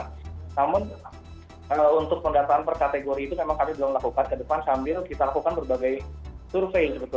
namun untuk pendataan per kategori itu memang kami belum lakukan ke depan sambil kita lakukan berbagai survei